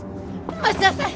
待ちなさい！